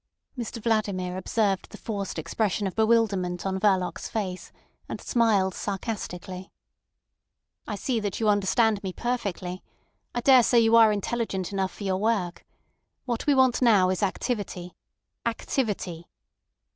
Mr Vladimir observed the forced expression of bewilderment on Verloc's face, and smiled sarcastically. "I see that you understand me perfectly. I daresay you are intelligent enough for your work. What we want now is activity—activity."